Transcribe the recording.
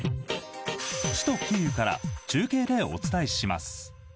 首都キーウから中継でお伝えします。